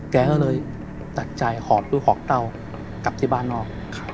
แกก็เลยตัดใจหอบลูกหอบเต้ากลับที่บ้านนอก